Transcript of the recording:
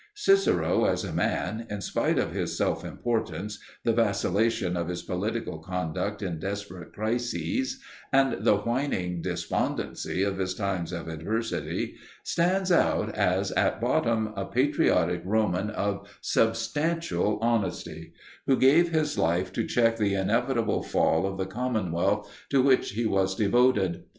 Cicero as a man, in spite of his self importance, the vacillation of his political conduct in desperate crises, and the whining despondency of his times of adversity, stands out as at bottom a patriotic Roman of substantial honesty, who gave his life to check the inevitable fall of the commonwealth to which he was devoted.